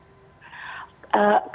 masih dicari diduga adalah pelaku